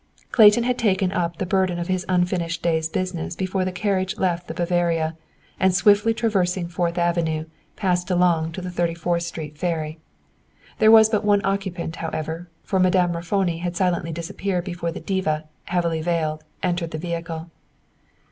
Clayton had taken up the burden of his unfinished day's business before the carriage left the "Bavaria," and swiftly traversing Fourth Avenue, passed along to the Thirty fourth Street ferry. There was but one occupant, however, for Madame Raffoni had silently disappeared before the diva, heavily veiled, entered the vehicle.